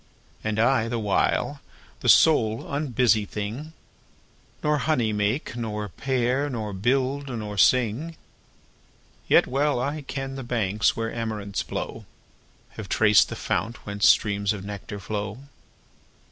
And I, the while, the sole unbusy thing, 5 Nor honey make, nor pair, nor build, nor sing. Yet well I ken the banks where amaranths blow, Have traced the fount whence streams of nectar flow.